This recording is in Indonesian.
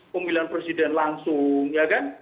pemilihan presiden langsung ya kan